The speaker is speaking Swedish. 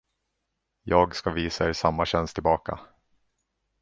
Jag skall visa er samma tjänst tillbaka.